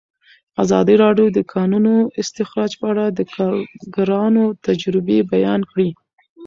ازادي راډیو د د کانونو استخراج په اړه د کارګرانو تجربې بیان کړي.